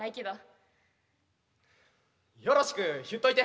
よろしく言っといて。